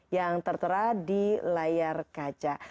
yang tertera di layar kaca